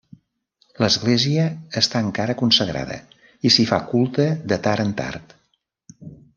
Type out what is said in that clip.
L'església està encara consagrada i s'hi fa culte de tard en tard.